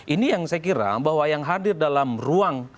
ini yang saya kira bahwa yang hadir dalam ruang